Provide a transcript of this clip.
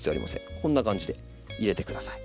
こんな感じで入れてください。